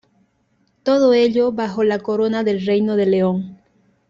Todo ello bajo la corona del Reino de León.